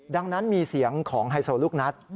ดังนั้นมีเสียงของไฮโซลูกนัด